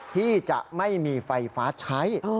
ที่จะไม่มีไฟฟ้าใช้